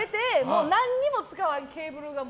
何も使わんケーブルが。